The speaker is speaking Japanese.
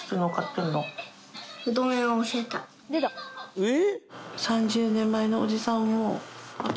えっ？